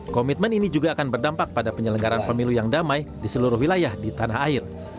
komitmen ini juga akan berdampak pada penyelenggaran pemilu yang damai di seluruh wilayah di tanah air